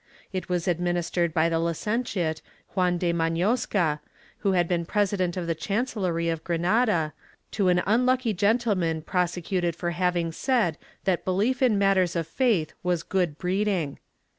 It was administered by the Licentiate Juan de Maiiozca, who had been President of the Chancellery of Granada, to an unlucky gentleman prosecuted for having said that belief in matters of faith was good breeding.